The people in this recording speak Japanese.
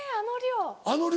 あの量？